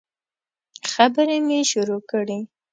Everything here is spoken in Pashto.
خبري مي شروع کړې !